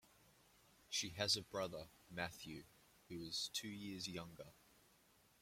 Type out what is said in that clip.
She has a brother, Matthew, who is two years younger.